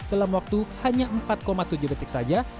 dalam waktu hanya empat tujuh detik saja